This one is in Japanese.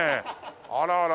あらあら。